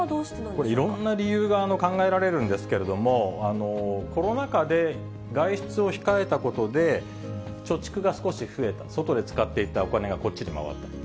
これ、いろんな理由が考えられるんですけれども、コロナ禍で外出を控えたことで、貯蓄が少し増えた、外で使っていたお金がこっちに回ったと。